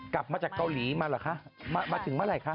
กลับมาจากเกาหลีมาเหรอคะมาถึงเมื่อไหร่คะ